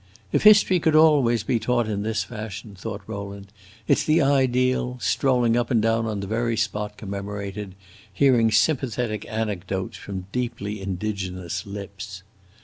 "If history could always be taught in this fashion!" thought Rowland. "It 's the ideal strolling up and down on the very spot commemorated, hearing sympathetic anecdotes from deeply indigenous lips."